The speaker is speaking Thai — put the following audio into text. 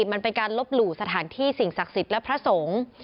มันเป็นการลบหลู่สถานที่สิ่งศักดิ์สิทธิ์และพระสงฆ์